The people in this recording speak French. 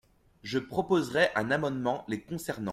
Je proposerai un amendement les concernant.